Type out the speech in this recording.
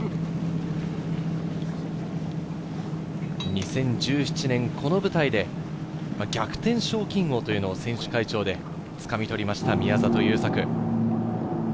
２０１７年、この舞台で逆転賞金王というのを選手会長でつかみとりました、宮里優作。